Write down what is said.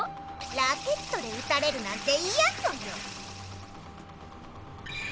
ラケットで打たれるなんていやソヨ！